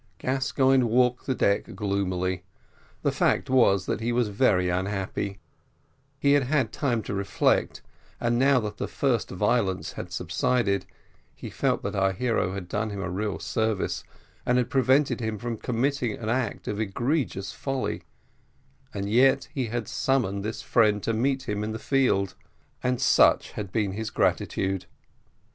Gascoigne walked the deck gloomily; the fact was that he was very unhappy; he had had time to reflect, and now that the first violence had subsided, he felt that our hero had done him a real service, and had prevented him from committing an act of egregious folly; and yet he had summoned this friend to meet him in the field and such had been his gratitude.